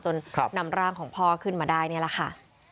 นำร่างของพ่อขึ้นมาได้นี่แหละค่ะ